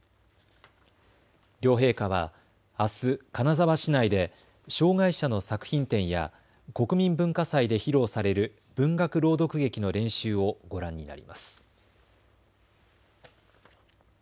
両陛下はあす、金沢市内で障害者の作品展や国民文化祭で披露される文学朗読劇の練習をご覧になります。